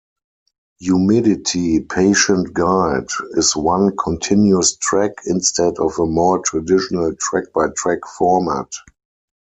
"Humidity Patient Guide" is one continuous track, instead of a more traditional track-by-track format.